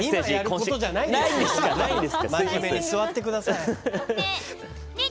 真面目に座ってください。